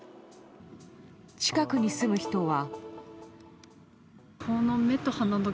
近くに住む人は。